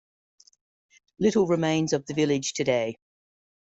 Little remains of the village today.